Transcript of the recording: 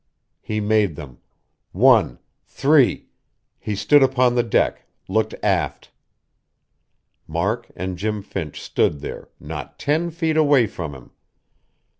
He made them; one ... three.... He stood upon the deck, looked aft.... Mark and Jim Finch stood there, not ten feet away from him.